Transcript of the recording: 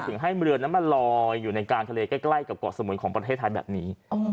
ถึงให้เรือนั้นมาลอยอยู่ในกลางทะเลใกล้กับเกาะสมุยของประเทศไทยแบบนี้